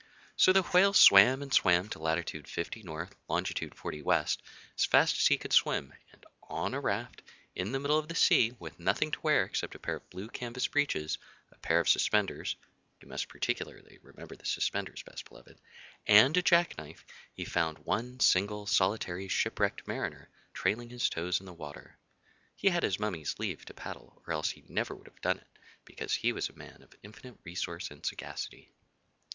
So the Whale swam and swam to latitude Fifty North, longitude Forty West, as fast as he could swim, and on a raft, in the middle of the sea, with nothing to wear except a pair of blue canvas breeches, a pair of suspenders (you must particularly remember the suspenders, Best Beloved), and a jack knife, he found one single, solitary shipwrecked Mariner, trailing his toes in the water. (He had his mummy's leave to paddle, or else he would never have done it, because he was a man of infinite resource and sagacity.)